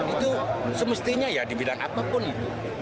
itu semestinya ya dibilang apapun itu